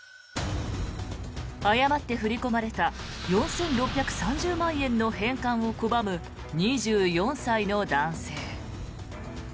誤って振り込まれた４６３０万円の返還を拒む２４歳の男性。